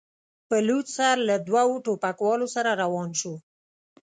په لوڅ سر له دوو ټوپکوالو سره روان شو.